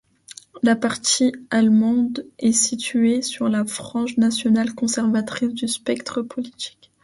Le Parti allemand était situé sur la frange nationale-conservatrice du spectre politique.